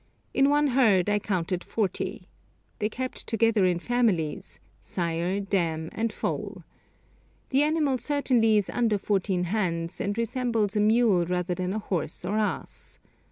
In one herd I counted forty. They kept together in families, sire, dam, and foal. The animal certainly is under fourteen hands, and resembles a mule rather than a horse or ass.